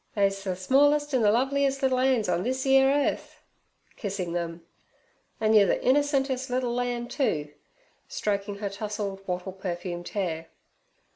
'Theys the smallest and ther lovliest liddle 'an's on this 'ere yearth' kissing them. 'An' yer the innercentest liddle lamb, too' stroking her tousled wattle perfumed hair.